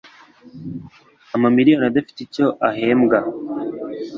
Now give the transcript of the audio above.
Amamiriyoni adafite icyo ahembwa?